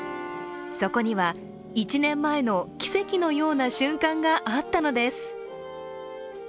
そこには、１年前の奇跡のような瞬間があったのです。